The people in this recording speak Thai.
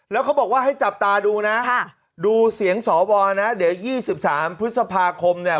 แล้วเขาบอกว่าให้จับตาดูนะดูเสียงสวนะเดี๋ยว๒๓พฤษภาคมเนี่ย